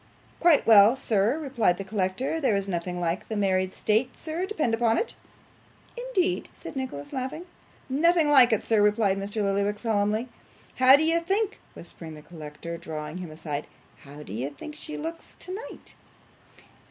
'Quite well, sir,' replied the collector. 'There is nothing like the married state, sir, depend upon it.' 'Indeed!' said Nicholas, laughing. 'Ah! nothing like it, sir,' replied Mr. Lillyvick solemnly. 'How do you think,' whispered the collector, drawing him aside, 'how do you think she looks tonight?